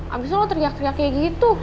abis itu lo teriak teriak kayak gitu